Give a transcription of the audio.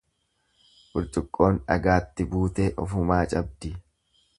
Burcuqqoon dhagaatti buutee ofumaa cabdi.